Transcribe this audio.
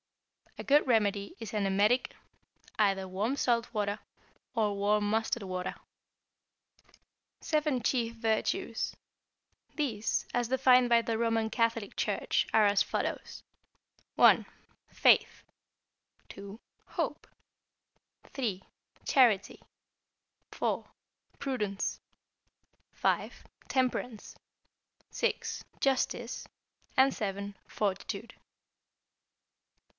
A good remedy is an emetic, either warm salt water, or warm mustard water. =Seven Chief Virtues.= These, as defined by the Roman Catholic Church, are as follows: (1) Faith, (2) Hope, (3) Charity, (4) Prudence, (5) Temperance, (6) Justice, (7) Fortitude.